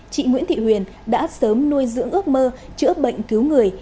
chị nguyễn thị huyền đã sớm nuôi dưỡng ước mơ chữa bệnh cứu người